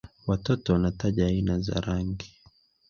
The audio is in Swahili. Watoto wanataja aina za rangi